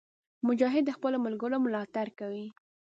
مجاهد د خپلو ملګرو ملاتړ کوي.